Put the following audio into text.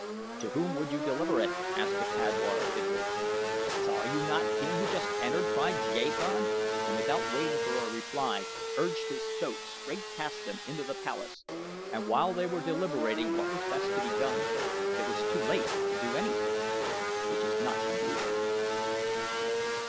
"To whom would you deliver it?" asked the padwar of the guard. "Saw you not him who just entered?" cried Gahan, and without waiting for a reply urged his thoat straight past them into the palace, and while they were deliberating what was best to be done, it was too late to do anything which is not unusual.